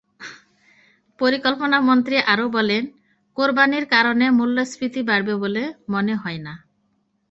পরিকল্পনামন্ত্রী আরও বলেন, কোরবানির কারণে মূল্যস্ফীতি বাড়বে বলে মনে হয় না।